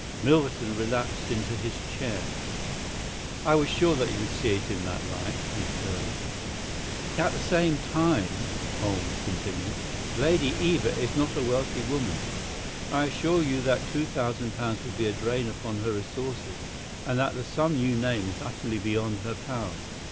Milverton relapsed into his chair. "I was sure that you would see it in that light," he purred. "At the same time," Holmes continued, "Lady Eva is not a wealthy woman. I assure you that two thousand pounds would be a drain upon her resources, and that the sum you name is utterly beyond her power.